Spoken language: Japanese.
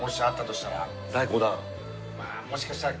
まもしかしたら。